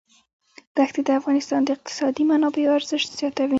ښتې د افغانستان د اقتصادي منابعو ارزښت زیاتوي.